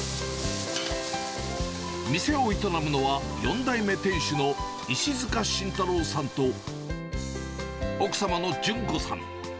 店を営むのは、４代目店主の石塚慎太郎さんと、奥様の純子さん。